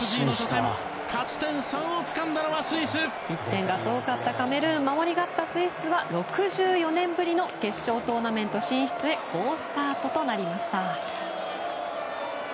１点が遠かったカメルーン守り勝ったスイスは６４年ぶりの決勝トーナメント進出へ好スタートとなりました。